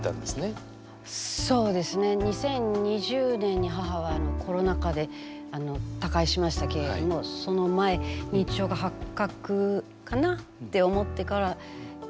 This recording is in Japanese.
そうですね２０２０年に母はコロナ禍で他界しましたけれどもその前認知症が発覚かなって思ってから９年半ぐらいだったかしら？